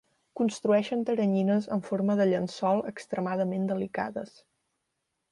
Construeixen teranyines en forma de llençol extremadament delicades.